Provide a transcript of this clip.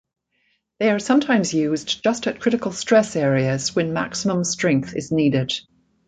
They are sometimes used just at critical stress areas when maximum strength is needed.